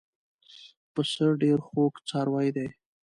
پسه ډېر خوږ څاروی دی.